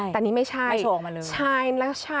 แต่นี่ไม่ใช่ไม่โฉมออกมาเลยหรือเปล่าแต่นี่ไม่ใช่